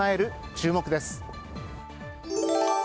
注目です。